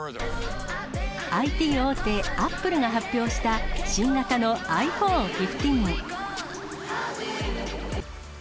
ＩＴ大手、Ａｐｐｌｅが発表した新型のｉＰｈｏｎｅ１５。